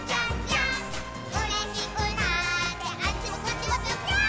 「うれしくなってあっちもこっちもぴょぴょーん」